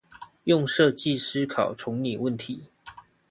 用設計思考重擬問題